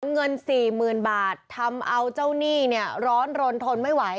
เงิน๔๐๐๐บาททำเอาเจ้าหนี้เนี่ยร้อนรนทนไม่ไหว